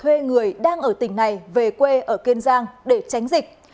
hương đã thuê người đang ở tỉnh này về quê ở kiên giang để tránh dịch